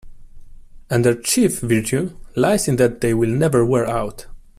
And their chief virtue lies in that they will never wear out.